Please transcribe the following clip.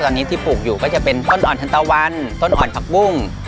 โอ้โฮพระเจ้าช่วยกล้วยท่อน